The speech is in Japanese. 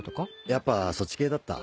やっぱそっち系だった？